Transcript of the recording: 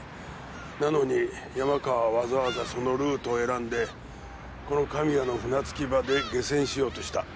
なのに山川はわざわざそのルートを選んでこの神谷の船着き場で下船しようとした。